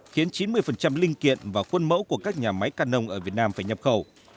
khiến chín mươi linh kiện và quân mẫu của các nhà máy càn nông ở việt nam phải nhập khẩu